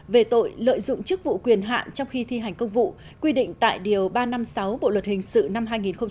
về tội lợi dụng chức vụ quyền hạn trong khi thi hành công vụ quy định tại điều ba trăm năm mươi sáu bộ luật hình sự năm hai nghìn một mươi năm